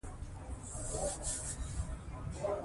غزني د افغانستان د اقتصادي ودې لپاره ارزښت لري.